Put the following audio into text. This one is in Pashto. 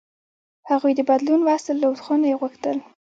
هغوی د بدلون وس درلود، خو نه یې غوښتل.